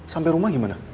sampai rumah gimana